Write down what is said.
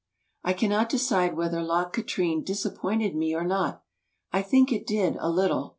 I cannot decide whether Loch Katrine disappointed me or not. I think it did, a litde.